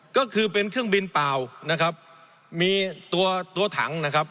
ก็คือเป็นเครื่องบินเปล่ามีตัวถัง